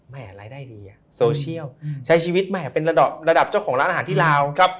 รายได้ดีโซเชียลใช้ชีวิตแหมเป็นระดับระดับเจ้าของร้านอาหารที่ลาว